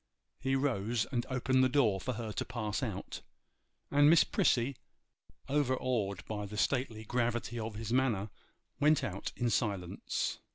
He rose and opened the door for her to pass out, and Miss Prissy, overawed by the stately gravity of his manner, went out in silence.